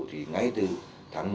thì ngay từ tháng một